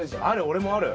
俺もある。